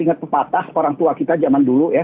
ingat pepatah orang tua kita zaman dulu ya